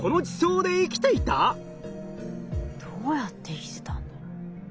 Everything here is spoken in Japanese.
どうやって生きてたんだろう？